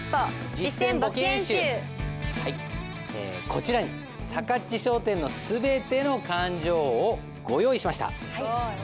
こちらにさかっち商店の全ての勘定をご用意しました。